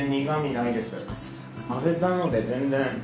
揚げたので全然。